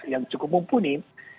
yang cukup mumpuni